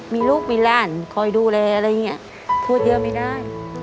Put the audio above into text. มีลูกมีหลานคอยดูแลอะไรอย่างนี้พูดเยอะไม่ได้